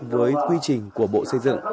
với quy trình của bộ xây dựng